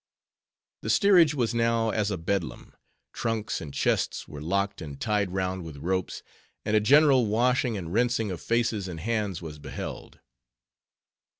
The steerage was now as a bedlam; trunks and chests were locked and tied round with ropes; and a general washing and rinsing of faces and hands was beheld.